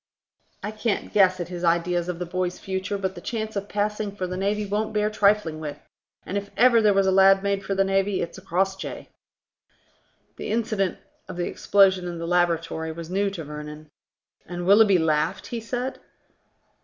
I can't guess at his ideas of the boy's future, but the chance of passing for the navy won't bear trifling with, and if ever there was a lad made for the navy, it's Crossjay." The incident of the explosion in the laboratory was new to Vernon. "And Willoughby laughed?" he said.